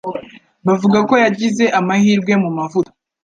Bavuga ko yagize amahirwe mu mavuta.